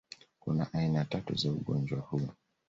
Kuna aina tatu za ugonjwa huu